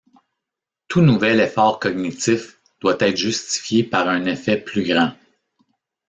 Tout nouvel effort cognitif doit être justifié par un effet plus grand.